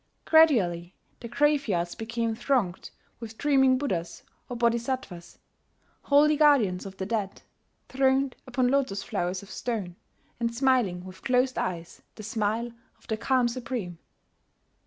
Gradually the graveyards became thronged with dreaming Buddhas or Bodhisattvas, holy guardians of the dead, throned upon lotos flowers of stone, and smiling with closed eyes the smile of the Calm Supreme.